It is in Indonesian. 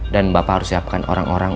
dan bapak harus siapkan orang orang